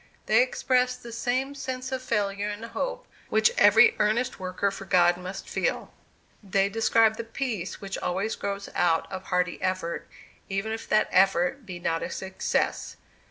They expressed the same sense of failure and hope which every earnest worker for God must feel. They described the peace which always grows out of hearty effort, even if that effort be not a success.